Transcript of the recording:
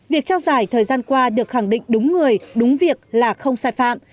việc trao giải thời gian qua được khẳng định đúng người đúng việc là không sai phạm